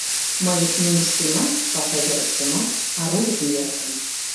— Мый мӧҥгыштемат, паша верыштемат арулыкым йӧратем.